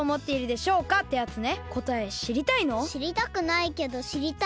しりたくないけどしりたい。